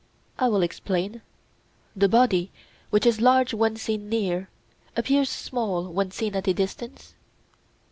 I will explain: The body which is large when seen near, appears small when seen at a distance?